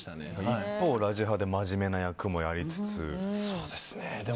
一方、「ラジハ」で真面目な役もやりつつ。